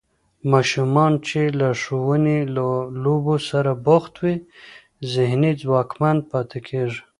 ماشومان چې له ښوونې او لوبو سره بوخت وي، ذهني ځواکمن پاتې کېږي.